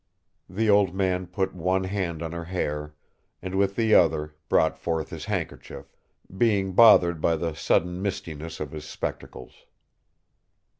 The old man put one hand on her hair, and with the other brought forth his handkerchief, being bothered by the sudden mistiness of his spectacles.